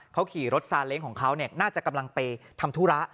เขาขี่รถซาเล้งของเขาน่าจะกำลังไปทำธุระ